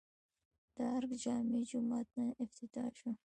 د ارګ جامع جومات نن افتتاح شو